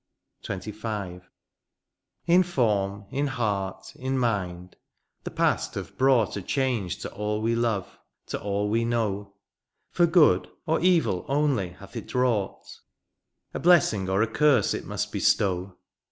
XXV. In form, in heart, in mind, the past hath brought A change to all we love, to all we know ; For good, or evil only hath it wrought ? A blessing or a curse it must bestow.